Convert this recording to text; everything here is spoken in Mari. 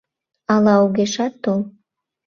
Ала огешат тол.